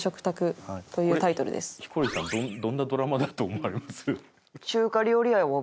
ヒコロヒーさんどんなドラマだと思われます？